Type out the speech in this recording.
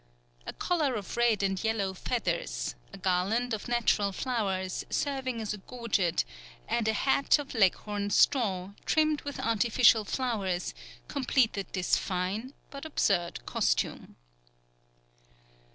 A collar of red and yellow feathers, a garland of natural flowers, serving as a gorget, and a hat of Leghorn straw, trimmed with artificial flowers, completed this fine but absurd costume.